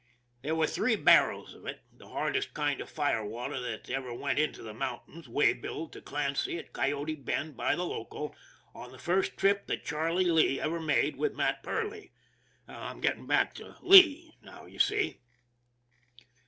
There were three barrels of it, the hardest kind of fire water that ever went into the mountains waybilled to Clancy at Coyote Bend by the local, on the first trip that Charlie Lee ever made with Matt Perley. I'm getting back to Lee now, you see.